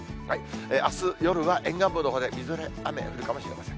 あす夜は、沿岸部のほうでみぞれ、雨が降るかもしれません。